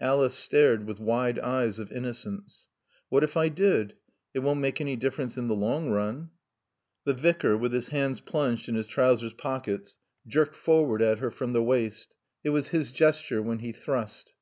Alice stared with wide eyes of innocence. "What if I did? It won't make any difference in the long run." The Vicar, with his hands plunged in his trousers pockets, jerked forward at her from the waist. It was his gesture when he thrust.